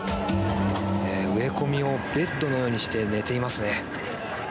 植え込みをベッドのようにして寝ていますね。